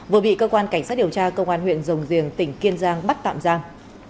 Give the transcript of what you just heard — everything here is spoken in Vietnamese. vừa bị cơ quan cảnh sát điều tra công an huyện rồng riềng tỉnh kiên giang bắt tạm giam